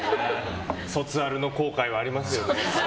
卒アルの後悔はありますよね。